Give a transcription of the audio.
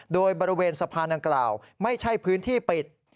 โดยบริเวณสะพานดังกล่าวไม่ใช่พื้นที่ปิด